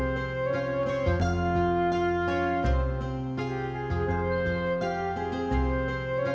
tidak ada penangga banyak sekali